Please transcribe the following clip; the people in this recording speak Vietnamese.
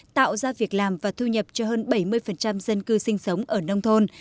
tạo ra việc làm và thu nhập cho hơn bảy mươi dân cư sinh sống ở nông thôn